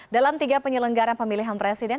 dalam tiga penyelenggara pemilihan presiden